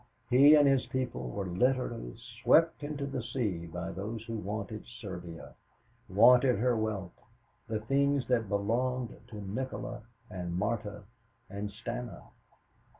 He and his people were literally swept into the sea by those who wanted Serbia, wanted her wealth the things that belonged to Nikola and Marta and Stana.